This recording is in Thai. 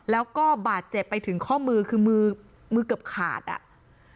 แล้วก็บาดเจ็บไปถึงข้อมือคือมือมือเกือบขาดอ่ะ